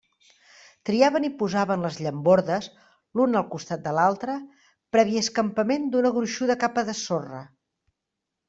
Triaven i posaven les llambordes, l'una al costat de l'altra, previ escampament d'una gruixuda capa de sorra.